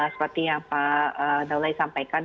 seperti yang pak daulai sampaikan